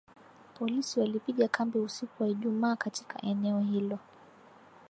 Polisi walipiga kambi usiku wa Ijumaa katika eneo hilo